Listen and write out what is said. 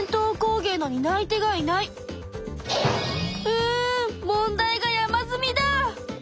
うん問題が山積みだ！